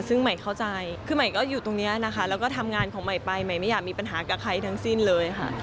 ซึ่งใหม่เข้าใจคือใหม่ก็อยู่ตรงนี้นะคะแล้วก็ทำงานของใหม่ไปใหม่ไม่อยากมีปัญหากับใครทั้งสิ้นเลยค่ะ